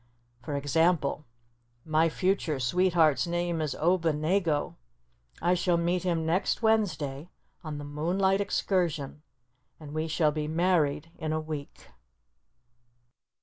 For example, "My future sweetheart's name is Obednego; I shall meet him next Wednesday on the Moonlight Excursion, and we shall be married in a week."